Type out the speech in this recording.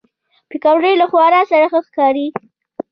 پکورې له هوار سره ښه ښکاري